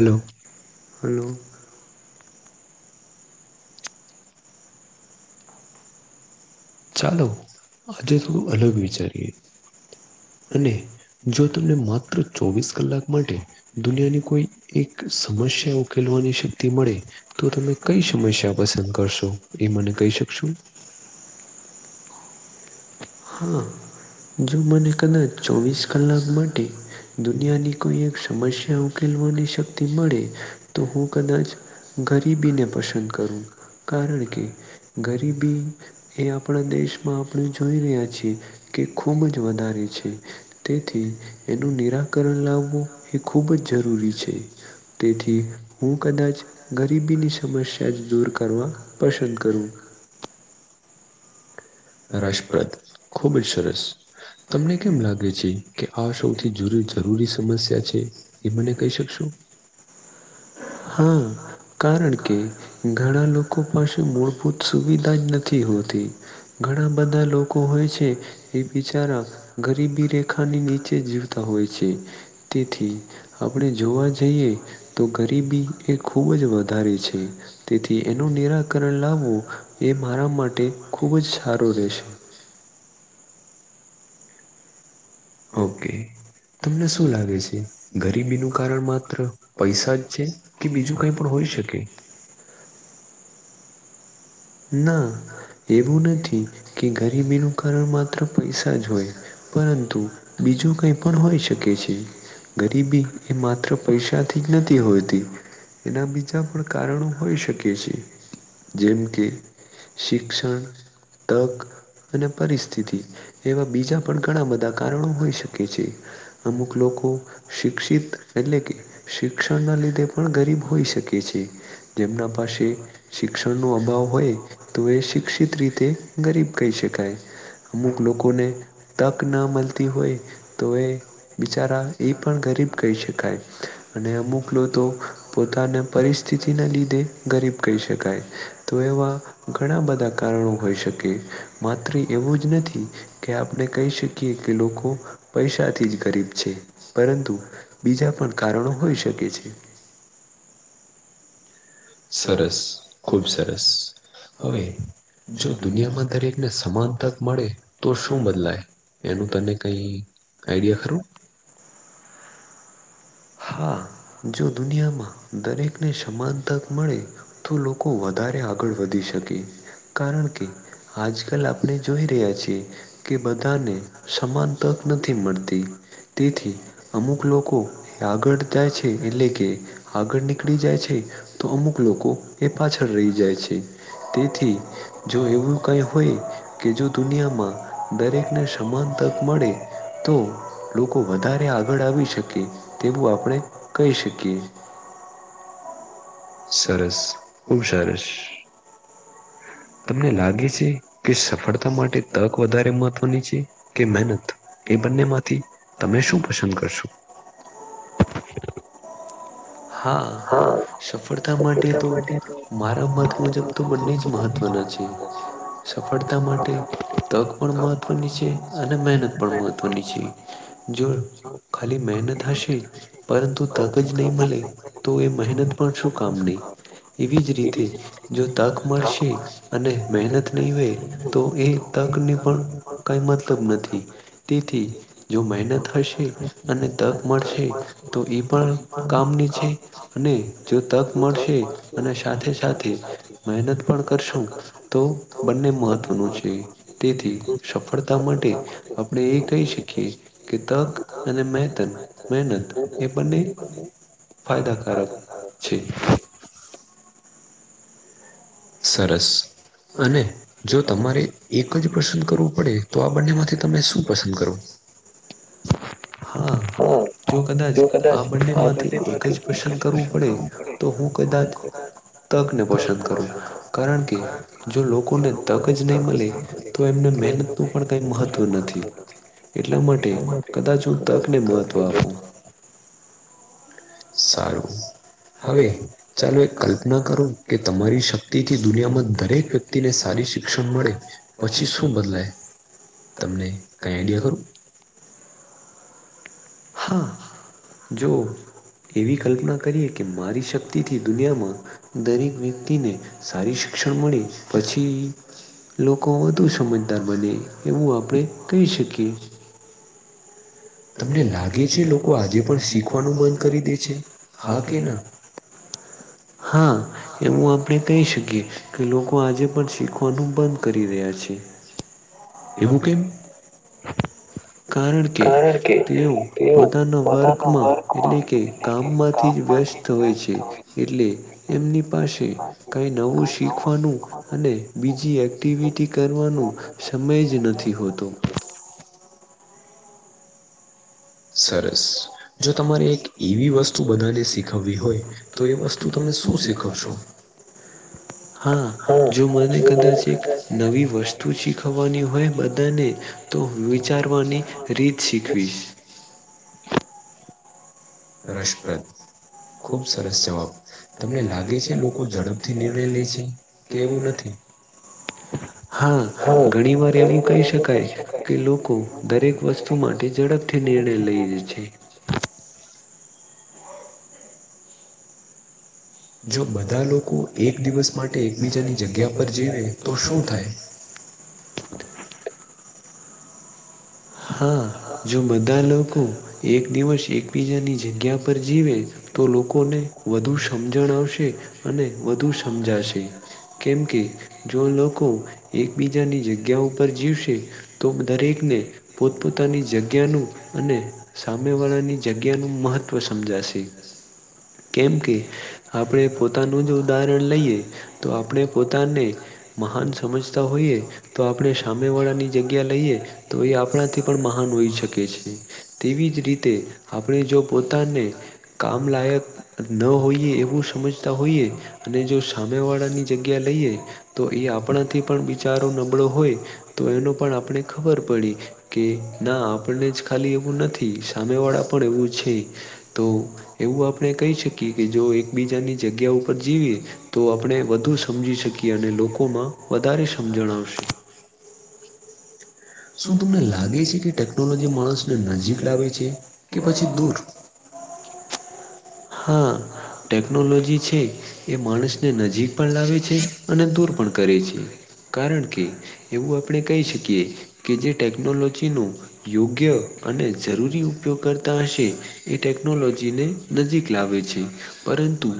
Hello hello ચાલો આજે તેવું થોડું અલગ બદલવી વિચારીએ શકે અને જો તમને માત્ર ચોવીસ કલાક માટે દુનિયાની કોઈ એક સમસ્યા ઉકેલવાની શક્તિ મળે તો તમે કઈ સમસ્યા પસંદ કરશો. એ મને કઈ શકશો. હા જો મને કદાચ ચોવીસ કલાક માટે દુનિયાની કોઈ એક સમસ્યા ઉકેલવાની શક્તિ મળે તો હું કદાચ ગરીબીને પસંદ કરું કારણ કે ગરીબી એ આપણા દેશમાં આપણે જોઈ રહ્યા છીએ કે ખૂબ જ વધારે છે. તેથી એનું નિરાકરણ લાવવું એ ખૂબ જ જરૂરી છે. તેથી હું કદાચ ગરીબીની સમસ્યા જ દૂર કરવા પસંદ કરું. રાસપ્રદ ખુબ જ સરસ તમને કેમ લાગે છે કે સૌથી આ જુરી જરૂરી સથી સમસ્યા છે જ એ મને કહી ક શકશો [unintelligible] [inaudible] હા અ. કારણ કે ઘણા લોકો પાસે મૂળભૂત સુવિધા જ નથી હોતી. ઘણા બધા લોકો હોય છે. એ બિચારા ગરીબી રેખાની નીચે જીવતા હોય છે તેથી આપણે જોવા જઈએ તો ગરીબી એ ખુબ જ વધારે છે. તેથી એનું નિરાકરણ લાવવું એ મારા માટે ખૂબ જ સારું રહેશે. ઓકે તમને શું લાગે છે ગરીબીનું કારણ માત્ર પૈસા જ છે. કે બીજું કઈ પણ હોય શકે. ના એવું નથી કે ગરીબીનું કારણ માત્ર પૈસા જ હોય. પરંતુ બીજું કઈ પણ હોઈ શકે છે. ગરીબી એ માત્ર પૈસાથી જ નથી હોતી. એના બીજા પણ કારણો હોઈ શકે છે જેમ કે શિક્ષણ, તક અને પરિસ્થિતિ એવા બીજા પણ ઘણા બધા કારણો હોઈ શકે છે. અમુક લોકો શિક્ષિત એટલે કે શિક્ષણના લીધે પણ ગરીબ હોઈ શકે છે. જેમના પાસે શિક્ષણનો અભાવ હોય. તો એ શિક્ષિત રીતે ગરીબ કહી શકાય અમુક લોકોને તક ન મળતી હોય તો એ બિચારા એ પણ ગરીબ કહી શકાય અને અમુક લોકો પોતાને પર સ્થિના લીધે ગરીબ કહી શકાય તો એવા ઘણા બધા કારણો હોઈ શકે માત્ર એવું જ નથી. કે આપણે કહી શકીએ કે લોકો પૈસાથી જ ગરીબ છે પરંતુ. બીજા પણ કારણો હોઈ શકે છે. સરસ ખુબ સરસ હવે જો દુનિયામાં દરેકને સમાન તક મળે તો શું બદલાય એનું તને કઈ આઈડિયા ખરું. હા જો દુનિયામાં દરેકને સમાન તક મળે તો લોકો વધારે આગળ વધી શકે. કારણ કે આજ કલ આપણે જોઈ રહ્યા છીએ. કે બધાને સમાન તક નથી મળતી તેથી અમુક લોકો. આગળ જાય છે એટલે કે આગળ નીકળી જાય છે, તો અમુક લોકો એ પાછળ રહી જાય છે. તેથી જો એવું કાંઈ હોય કે જો દુનિયામાં દરેકને સમાન તક મળે તો લોકો વધારે આગળ આવી શકે તેવું આપણે કહી શકીએ. સરસ ખુબ સરસ તમને લાગે છે, કે સફળતા માટે તક વધારે [unintelligible] એ બંને માંથી તમે શું પસંદ કરશો? હા. સફળતા માટે તો મારા મત મુજબ તો બંને જ મહત્ત્વના છે સફળતા માટે તક પણ મહત્ત્વની છે [inaudible] [inaudible] અને મહેનત પણ મહત્વની છે, જો ખાલી મહેનત હશે પરં તુ તક જ નહી મલે તો એ મહેનત પણ શું કામ ની એવી જ રીતે જો તક મળશે અને મહેનત નહીં વે તો એ તકને પણ કંઈ મતલબ નથી. તેથી જો મહેનત હશે અને તક મળશે તો એ પણ કામની છે, અને જો તક મળશે અને સાથે સાથે મહેનત પણ કરશું તો બંને મહત્ત્વનું છે, તેથી સફળ તા માટે આપણે એ કહી શકીએ કે તક અને મેહતન મહેનત એ બંને ફાયદાકારક છે. સરસ અને જો તમારે એક જ પસંદ કરવું પડે તો આ બંને માંથી તમે શું પસંદ કરો? હા. જો કદાચ આ બંને માંથી એક જ પસંદ કરવું પડે તો હું કદાત તક ને પંસદ કરું કારણ કે જો લોકોને તક જ નહીં મલે તો એમને મહેનતનું પણ કંઈ મહ તવ નથી એટલા માટે કદાચ હું તકને મહત્વ આપું સારું હવે ચાલો એક કલ્પના કરો કે તમારી શક્તિથી દુનિયામાં દરેક વ ક્તિને સારી શિક્ષણ મળે પછી શું બદલાય? તમને કઈ [unintelligible] હા જો એવી કલ્પના કરીએ કે મારી શક્તિથી દુનિયામાં દરેક વ્યક્તિને સારી શિક્ષણ મળી પછી લોકો વધુ સમજદાર બને એવું આપણે કહી શકીએ તમને લાગે છે, લોકો આજે પણ શીખવાનું બંધ કરી દે છે, હા કે ના? હા એમું આપણે કહી શકીએ કે લોકો આજે પણ શીખ વાનું બંધ કરી રહ્યા છે. એવું કેમ? કારણ કે તેઓ પોતાના વર્કમાં એટલે કે કામમાંથી જ વ્યસ ત હોય છે. એટલે એમની પાસે કાંઈ નવું શીખવાનું અને બીજી એક્ટિવિટી કરવાનો સમય જ નથી હોતો. સરસ જો તમારે એક એવી વસ્તુ બધાને શીખવવી હોય. તો એ વસ્તુ તમને શું શીખવશો? હા જો મને કદાચ એક નવી વસ્તુ શીખ બોની હોય બધાને તો વિચારવાની રીત શીખવીશ. રશપ્રદ. ખુબ સરસ જવાબ તમને લાગે છે લોકો ઝડપથી નિર્ણય લે છે કે એવું નથી. [inaudible] હા ઘણી વાર એવું કહી શકાય કે લોકો દરેક વસ્તુ માટે ઝડપ થી નિર્ણય લઇયે છે. જો બધા લોકો એક દિવસ માટે એકબીજાની જગ્યા પર જીવે તો શું થાય. હા જો બધા લોકો એક દિવસ એકબીજાની જગ્યા પર જીવે. તો લોકોને વધુ સમજણ આવશે અને વધુ સમજાશે. કેમ કે જો લોકો એકબીજાની જગ્યા ઉપર જીવશે. તો દરેકને પોતપોતાની જગ્યાનું અને સામેવાળાની જગ્યાનું મહત્ત્વ સમજાશે. કેમ કે આપણે પો પોતાનું જો ઉદાહરણ લઈએ તો આપણે પોતાને મહાન સમજ જતા હોઈએ તો આપણે સામે વાળાની જગ્યા લઈએ તો એ આપ આપણાથી પણ મહાન હોઈ શકે છે તેવીજ રીતે આપણે જો પોતાને કામ લાયક ન હોઈએ એવું સમજતા હોઈએ અને જો સામેવાળાની જગ્યા લઈએ. તો એ આપણાથી પણ બિચારો નબળો હોય તો એનો પણ આપણે ખબર પડી. કે ના આપણનેજ ખાલી એવું નથી સામે વાળા પણ એવું છે. તો એવું આપણે કહી શકીએ કે જો એકબીજાની જગ્યા ઉપર જીવીએ તો આપણે વધુ સમજી શકીએ અને લોકોમાં વધારે સમજણ આવશે. [inaudible] શું તમને લાગે ટેકનોલોજી માણસને નજીક લાવે છે કે પછી દૂર. હા ટેકનોલોજી છે. એ માણસને નજીક પણ લાવે છે અને દૂર પણ કરે છે. કારણ કે એવું આપણે કહી શકીએ કે જે ટેકનોલોજીનું. યોગ્ય અને જરૂરી ઉપયોગ કરતા હશે. એ ટેકનોલોજીને નજીક લાવે છે પરંતુ.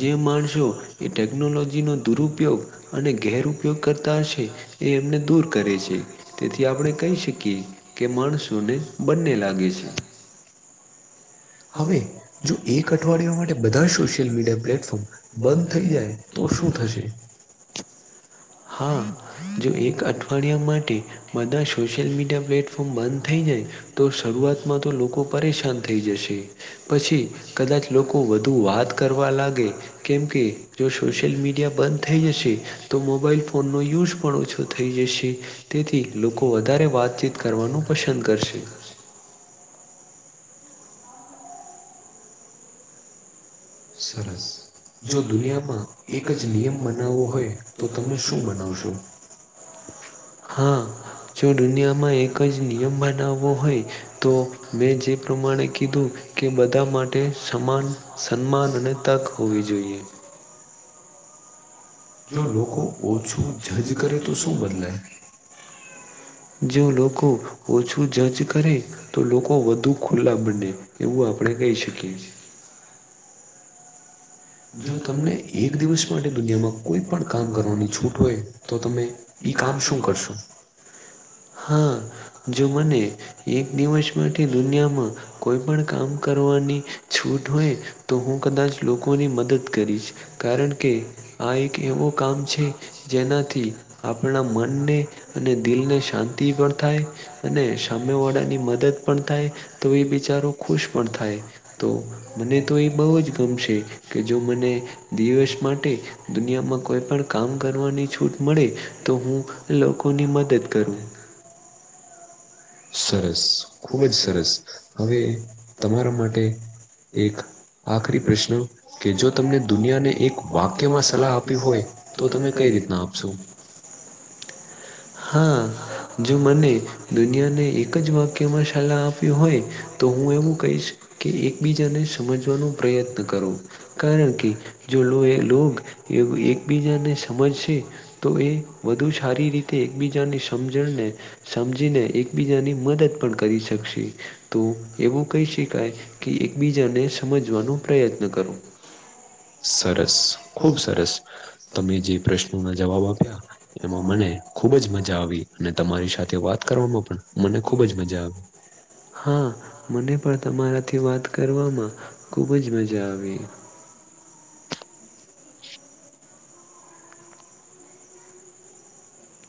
જે માણસો એ ટેકનોલોજીનો દુરુપયોગ અને ગેર ઉપયોગ કરતા હશે. એ એમને દૂર કરે છે. તેથી આપણે કહી શકીએ કે માણસોને બંને લાગે છે. હવે. જો એક અઠવાડિયા માટે બધા સોશિયલ મીડિયા પ્લેટફોર્મ બંધ થઈ જાય તો શું થશે. હા જો એક અઠવાડિયા માટે. બધા સોશિયલ મીડિયા પ્લેટફોર્મ બંધ થઈ જાય. તો શરૂઆતમાંતો લોકો પરેશાન થઈ જશે. પછી કદાચ લોકો વધુ વાત કરવા લાગે. કેમકે જો સોશિયલ મીડિયા બંધ થઈ જશે તો મોબાઈલ ફોનનો યુઝ પણ ઓછો થઈ જશે તેથી લોકો વધારે વાતચીત કરવાનું પસંદ કરશે. સરસ. જો દુનિયામાં એકજ નિયમ બનાવવો હોય તો તમે શું બનાવશો. [inaudible] હા જો દુનિયામાં એકજ નિયમ બનાવવો હોય તો મેં જે પ્રમાણે કીધું કે બધા માટે સમાન સન્માન અને તક હોવી જોઈએ જો લોકો ઓછું જજ કરે તો શું બદલાય જો લોકો ઓછું જજ કરે તો લોકો વધુ ખુલ્લા બને એવું આપણે કહી શકીએ છીએ જો તમને એક દિવસ માટે દુનિયામાં કોઈ પણ કામ કરવાની છૂટ હોય તો તમે ઈ કામ શું કરશું હા જો મને એક દિવસ માટેથી દુનિયામાં કોઈ પણ કામ કરવાની છૂટ હોય તો હું કદાચ લોકોની મદદ કરીશ કારણ કે આ એક એવો કામ છે જેનાથી આપણા મનને અને દિલને શાંતિ પણ થાય અને સામેવાળાની મદદ પણ થાય તો એ બિચારો ખુશ પણ થાય તો મને તો એ બહુ જ ગમશે કે જો મને દિવસ માટે દુનિયામાં કોઈ પણ કામ કરવાની છૂટ મળે તો હું લોકોની મદદ કરું સરસ ખુબ જ સરસ હવે તમારા માટે એક આખરી પ્રશ્ન કે જો તમને દુનિયાને એક વાક્યમાં સલાહ આપ હોય [unintelligible] હા જો મને દુનિયાને એક જ વાક્યમાં સલાહ આપવી હોય તો હું એવું કહીશ કે એકબીજાને સમજવાનો પ્રયત્ન કરો કારણ કે જો લોગ એકબીજાને સમજશે તો એ વધુ સારી રીતે એકબીજાને સમજણને સમજીને એક બીજાની મદદ પણ કરી શકશે તો એવું કહી શકાય કે એકબીજાને સમજવાનો પ્રયત્ન કરો સરસ ખુબ સરસ તમે જે પ્રશ્નોના જવાબ આપ્યા એમાં મને ખુબ જ મજા આવી અને તમારી સાથે વાત કરવામાં પણ મને ખુબ જ મજા આવી હા મને પણ તમારાથી વાત કરવામાં ખુબ જ મજા આવી